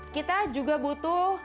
kita juga butuh